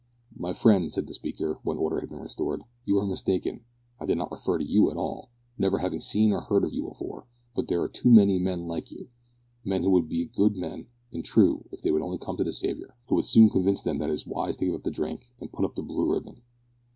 "My friend," said the speaker, when order had been restored, "you are mistaken. I did not refer to you at all, never having seen or heard of you before, but there are too many men like you men who would be good men and true if they would only come to the Saviour, who would soon convince them that it is wise to give up the drink and put on the blue ribbon.